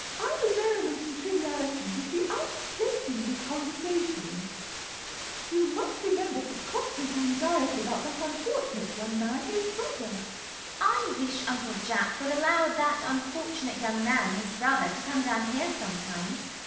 Idle merriment and triviality would be out of place in his conversation. You must remember his constant anxiety about that unfortunate young man his brother. CECILY. I wish Uncle Jack would allow that unfortunate young man, his brother, to come down here sometimes.